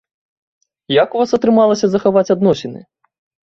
Як у вас атрымалася захаваць адносіны?